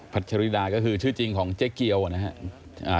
ัชริดาก็คือชื่อจริงของเจ๊เกียวนะครับ